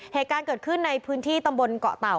เหตุการณ์เกิดขึ้นในพื้นที่ตำบลเกาะเต่า